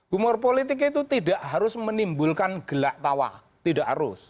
humor politik itu tidak harus menimbulkan gelak tawa